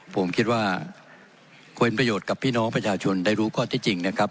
ผมคิดว่าควรประโยชน์กับพี่น้องประชาชนได้รู้ข้อที่จริงนะครับ